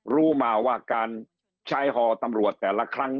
รู้มาว่าการใช้ฮอตำรวจแต่ละครั้ง